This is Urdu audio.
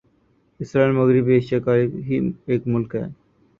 اسرائیل مغربی ایشیا کا ایک ملک ہے